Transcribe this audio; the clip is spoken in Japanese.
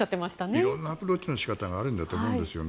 色んなアプローチの仕方があると思うんですよね。